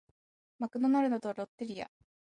マクドナルドとロッテリア